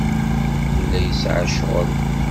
Yella yesɛa ccɣel.